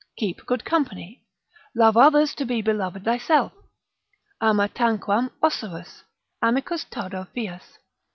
Keep good company. Love others to be beloved thyself. Ama tanquam osurus. Amicus tardo fias.